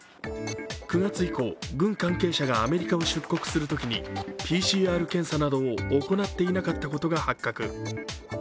９月以降、軍関係者がアメリカを出国するときにＰＣＲ検査などを行っていなかったことが発覚。